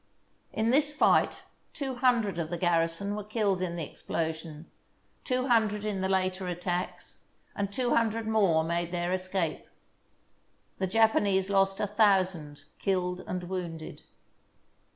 In this fight two hundred of the garrison were killed in the explosion, two hundred in the later at tacks, and two hundred more made their escape. The Japanese lost a thousand killed and wounded.